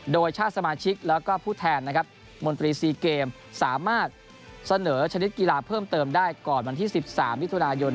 โดยชาติสมาชิกแล้วก็ผู้แทนนะครับมนตรี๔เกมสามารถเสนอชนิดกีฬาเพิ่มเติมได้ก่อนวันที่๑๓มิถุนายน